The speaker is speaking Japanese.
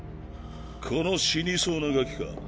この死にそうなガキか。